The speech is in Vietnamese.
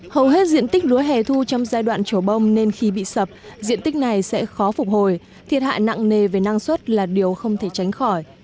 hầu hết diện tích lúa hẻ thu trong giai đoạn trổ bông nên khi bị sập diện tích này sẽ khó phục hồi thiệt hại nặng nề về năng suất là điều không thể tránh khỏi